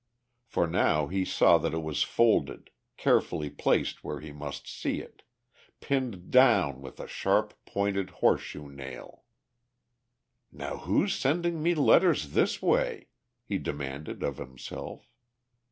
For now he saw that it was folded, carefully placed where he must see it, pinned down with a sharp pointed horseshoe nail. "Now who's sending me letters this way?" he demanded of himself.